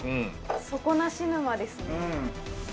底なし沼ですね。